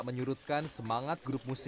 pertama suara dari biasusu